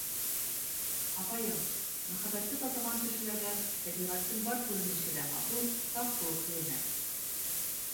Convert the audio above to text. — Апайым, мөхәббәтте татыған кешеләргә тәбиғәттең бар күренеше лә матур, саф булып күренә.